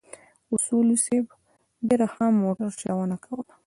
اصولي صیب ډېره ښه موټر چلونه کوله.